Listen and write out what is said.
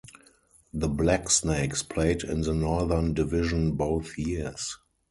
The Blacksnakes played in the Northern Division both years.